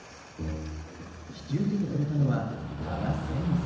引き受けてくれたのは多賀盛剛さん。